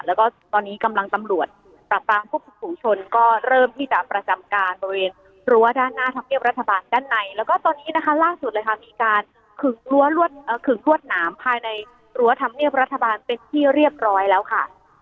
แล้วก็ตอนนี้กำลังตำรวจปรับปรามควบคุมฝุงชนก็เริ่มที่จะประจำการบริเวณรั้วด้านหน้าธรรมเนียบรัฐบาลด้านในแล้วก็ตอนนี้นะคะล่าสุดเลยค่ะมีการขึงขึงรวดหนามภายในรั้วธรรมเนียบรัฐบาลเป็นที่เรียบร้อยแล้วค่ะ